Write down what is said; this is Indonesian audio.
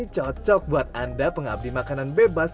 cocok buat anda pengabdi makanan bebas